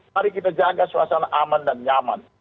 mari kita jaga suasana aman dan nyaman